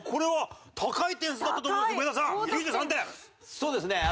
そうですね。